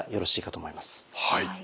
はい。